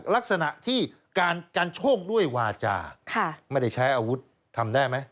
ลักษณะที่การกันโชคด้วยวาจาไม่ได้ใช้อาวุธทำได้ไหม